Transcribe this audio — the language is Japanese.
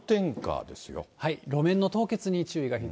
路面の凍結に注意が必要。